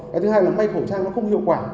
cái thứ hai là may khẩu trang nó không hiệu quả